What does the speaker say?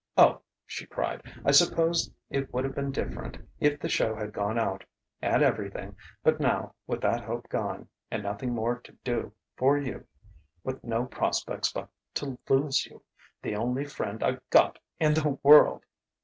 Oh!" she cried, "I suppose it would've been different if the show had gone out and everything but now, with that hope gone and nothing more to do for you with no prospects but to lose you the only friend I've got in the world